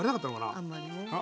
あんまりね。